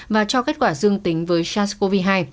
và cho kết quả dương tính với sars cov hai